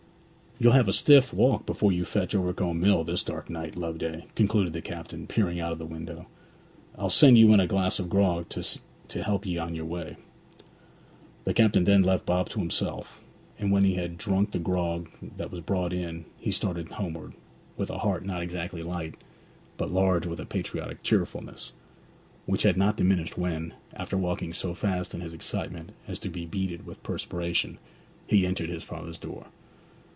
'You'll have a stiff walk before you fetch Overcombe Mill this dark night, Loveday,' concluded the captain, peering out of the window. 'I'll send you in a glass of grog to help 'ee on your way.' The captain then left Bob to himself, and when he had drunk the grog that was brought in he started homeward, with a heart not exactly light, but large with a patriotic cheerfulness, which had not diminished when, after walking so fast in his excitement as to be beaded with perspiration, he entered his father's door.